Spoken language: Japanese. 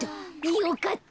よかった。